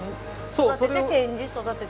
育てて展示育てて展示。